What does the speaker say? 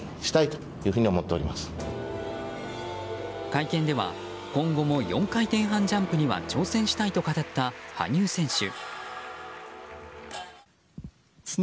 会見では今後も４回転半ジャンプには挑戦したいと語った羽生選手。